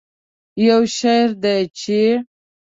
یو شعر دی چې